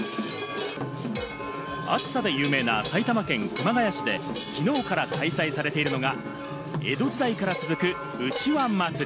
暑さで有名な埼玉県熊谷市できのうから開催されているのが、江戸時代から続く、うちわ祭。